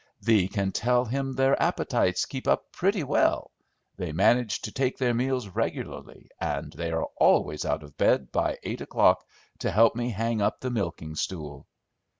Thee can tell him their appetites keep up pretty well; they manage to take their meals regularly, and they are always out of bed by eight o'clock to help me hang up the milking stool!"